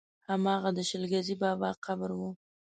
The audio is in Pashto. هماغه د شل ګزي بابا قبر و.